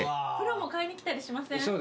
プロも買いに来たりしません？